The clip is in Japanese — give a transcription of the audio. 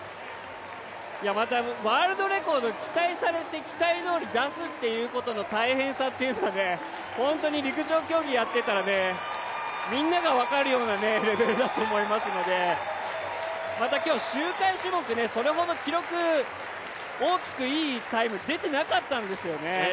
ワールドレコード、期待されて期待どおり出すことの大変さというのが本当に陸上競技やってたらみんなが分かるようなレベルだと思いますのでまた今日、周回種目、それほど記録、大きくいいタイムが出てなかったんですよね。